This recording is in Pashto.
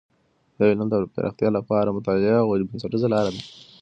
د علم د پراختیا لپاره مطالعه یوه بنسټیزه لاره ده.